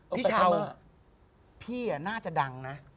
พี่เช้าพี่น่าจะดังนะ